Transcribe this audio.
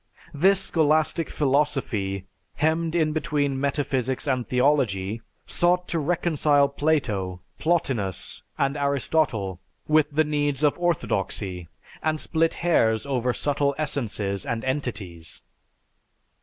This scholastic philosophy, hemmed in between metaphysics and theology, sought to reconcile Plato, Plotinus, and Aristotle with the needs of orthodoxy, and split hairs over subtle essences and entities.